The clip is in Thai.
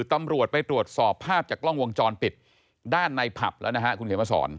ตำรวจไปตรวจสอบภาพจากกล้องวงจรปิดด้านในผับแล้วนะฮะคุณเขียนมาสอน